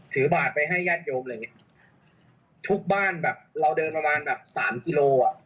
ถือบาทไปแย่ตโยมทุกบ้านแบบเราเดินประมาณ๓กิโล